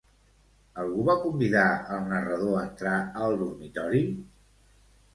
Algú va convidar el narrador a entrar al dormitori?